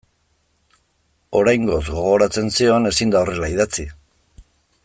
Oraingoz, gogoratzen zion, ezin da horrela idatzi.